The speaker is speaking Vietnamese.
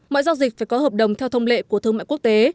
mọi giao dịch phải có hợp đồng theo thông lệ của thương mại quốc tế